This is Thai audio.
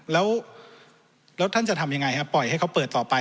แล้วท่านจะทำยังไงปล่อยให้เขาเปิดต่อไป